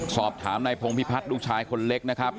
สอบถามนายพงพิพัฒน์ลูกชายคนเล็กนะครับ